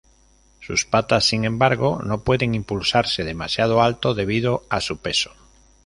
Sus patas, sin embargo, no pueden impulsarse demasiado alto debido a su peso.